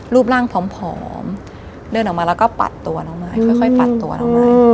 รูปร่างผอมเดินออกมาแล้วก็ปัดตัวน้องมายค่อยปัดตัวน้องมาย